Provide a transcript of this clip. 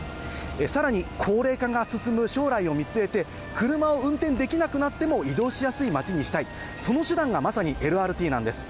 さらに高齢化が進む将来を見据えて、車を運転できなくなっても移動しやすい街にしたい、その手段がまさにＬＲＴなんです。